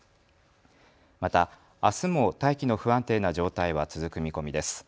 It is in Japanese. またあすも大気の不安定な状態は続く見込みです。